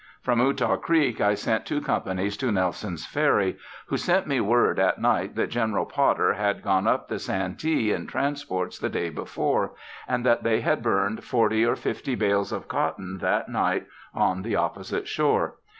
From Eutaw Creek I sent two companies to Nelson's Ferry, who sent me word at night that General Potter had gone up the Santee in transports the day before, and that they had burned forty or fifty bales of cotton that night on the opposite shore.